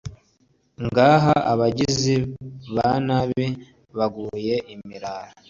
Ngaha abagizi ba nabi baguye imirara